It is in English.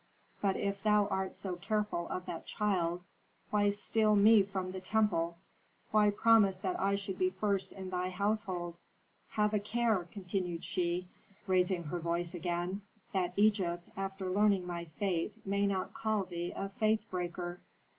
"But if thou art so careful of that child, why steal me from the temple, why promise that I should be first in thy household? Have a care," continued she, raising her voice again, "that Egypt, after learning my fate, may not call thee a faith breaker."